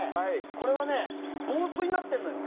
これは防水になってるのよ。